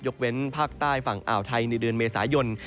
เว้นภาคใต้ฝั่งอ่าวไทยในเดือนเมษายน